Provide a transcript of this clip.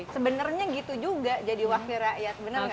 sebenarnya gitu juga jadi wakil rakyat bener gak